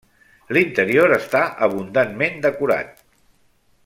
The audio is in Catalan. L'interior està abundantment decorat.